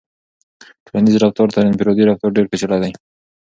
ټولنیز رفتار تر انفرادي رفتار ډېر پیچلی دی.